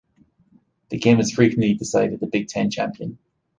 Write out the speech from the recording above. The game has frequently decided the Big Ten Champion.